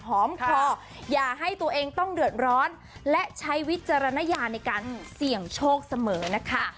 คออย่าให้ตัวเองต้องเดือดร้อนและใช้วิจารณญาในการเสี่ยงโชคเสมอนะคะ